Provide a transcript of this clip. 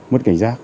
mất cảnh giác